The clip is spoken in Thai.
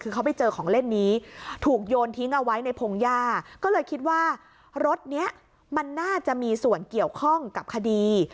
คือเขาไปเจอของเล่นนี้ถูกโยนทิ้งเอาไว้ในพงหญ้าก็เลยคิดว่ารถเนี้ยมันน่าจะมีส่วนเกี่ยวข้องกับคดี